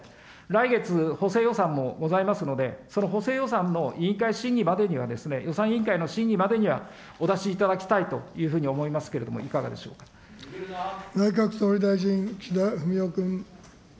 来月、補正予算もございますので、その補正予算の委員会審議までにはですね、予算委員会の審議までには、お出しいただきたいというふうに思いますけれども、いかが内閣総理大臣、岸田文雄君。